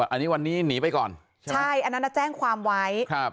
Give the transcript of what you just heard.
อันนี้วันนี้หนีไปก่อนใช่ไหมใช่อันนั้นน่ะแจ้งความไหว